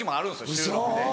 収録で。